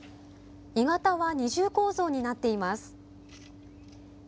鋳型は二重構造になっています。